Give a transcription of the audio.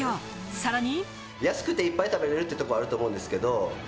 さらに。